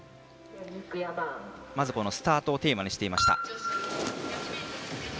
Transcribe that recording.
まず、スタートをテーマにしていました。